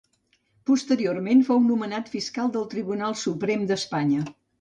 Posteriorment fou nomenat fiscal del Tribunal Suprem d'Espanya.